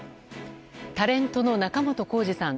タレントの仲本工事さん